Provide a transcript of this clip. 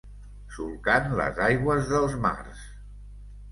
Solcant les aigües dels mars.